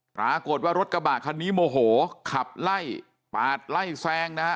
ปรากฏว่ารถกระบะคันนี้โมโหขับไล่ปาดไล่แซงนะฮะ